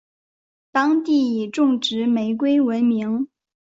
当地以种植玫瑰闻名。